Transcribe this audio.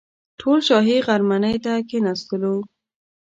ټول شاهي غرمنۍ ته کښېنستلو.